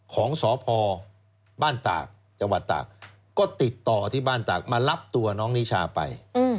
ของสศบ้านตากก็ติดต่อที่บ้านตากมารับตัวน้องนิชาไป